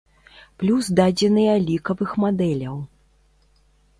Плюс дадзеныя лікавых мадэляў.